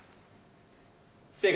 正解。